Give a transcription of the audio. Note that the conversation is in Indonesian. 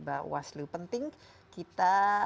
bawaslu penting kita